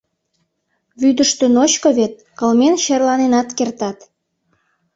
— Вӱдыштӧ ночко вет, кылмен черланенат кертат...